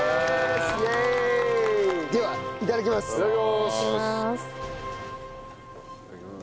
ではいただきます。